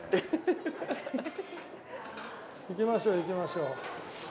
行きましょう行きましょう。